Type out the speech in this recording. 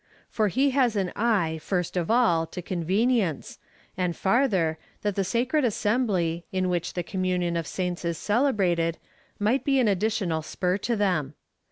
For lie has an eye, first of all, to convenience, and farther, that the sacred assembly, in which the communion of saints is celebrated, might be an addi tional spur to them.